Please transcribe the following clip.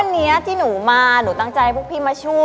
วันนี้ที่หนูมาหนูตั้งใจพวกพี่มาช่วย